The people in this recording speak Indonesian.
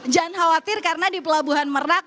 jangan khawatir karena di pelabuhan merak